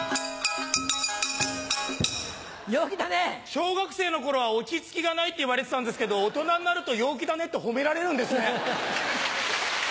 小学生の頃は落ち着きがないって言われてたんですけど大人になると「陽気だね」って褒められるんですね。